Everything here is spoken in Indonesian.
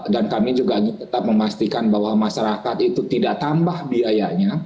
dan kami juga tetap memastikan bahwa masyarakat itu tidak tambah biayanya